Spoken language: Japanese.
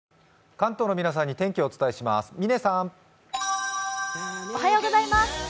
関東の皆さんに天気をお伝えします。